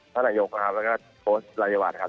พระนายกครับแล้วก็โพสต์รายวัฒน์ครับ